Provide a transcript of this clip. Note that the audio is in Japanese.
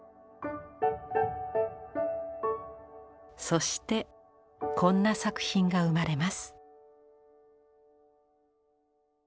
そしてこんな作品が生まれます。